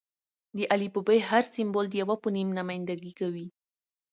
د الفبې: هر سېمبول د یوه فونیم نمایندګي کوي.